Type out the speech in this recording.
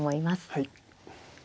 はい。